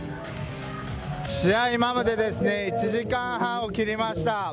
試合まで１時間半を切りました。